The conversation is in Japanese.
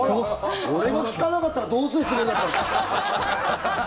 俺が聞かなかったらどうするつもりだったんですか！